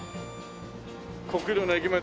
国領の駅前